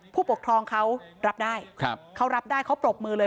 ผู้ปกครองเขารับได้เขารับได้เขาปรบมือเลย